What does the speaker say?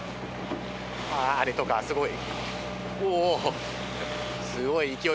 あれとかすごい。